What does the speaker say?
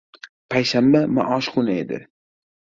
Payshanba - maosh kuni edi.